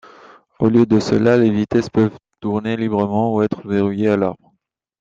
Au lieu de cela, les vitesses peuvent tourner librement ou être verrouillé à l'arbre.